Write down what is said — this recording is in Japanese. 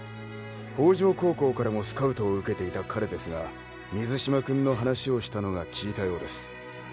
法城高校からもスカウトを受けていた彼ですが水嶋君の話をしたのが効いたようです。